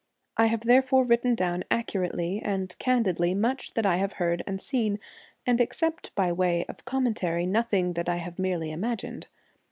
I have therefore written down accurately and candidly much that I have heard and seen, and, except by way of commentary, nothing that I have merely imagined.